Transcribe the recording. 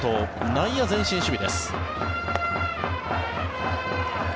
内野、前進守備です。